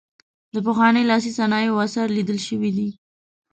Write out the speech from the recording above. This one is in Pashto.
د پخوانیو لاسي صنایعو اثار لیدل شوي دي.